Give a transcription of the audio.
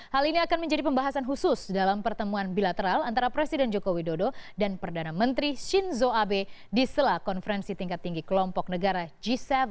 hal ini akan menjadi pembahasan khusus dalam pertemuan bilateral antara presiden joko widodo dan perdana menteri shinzo abe di sela konferensi tingkat tinggi kelompok negara g tujuh